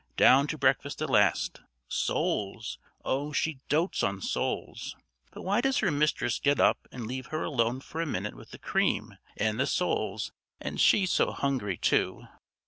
Down to breakfast at last. Soles. Oh! she doats on soles. But why does her mistress get up and leave her alone for a minute with the cream and the soles, and she so hungry too.